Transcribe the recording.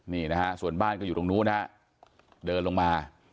นี่นะฮะส่วนบ้านก็อยู่ตรงนู้นนะฮะเดินลงมา